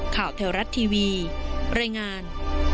ข่าวแถวรัฐทีวีรายงาน